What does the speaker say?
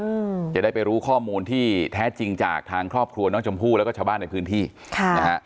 อืมจะได้ไปรู้ข้อมูลที่แท้จริงจากทางครอบครัวน้องชมพู่แล้วก็ชาวบ้านในพื้นที่ค่ะนะฮะ